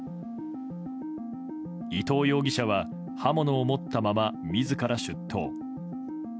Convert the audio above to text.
伊藤容疑者は刃物を持ったまま、自ら出頭。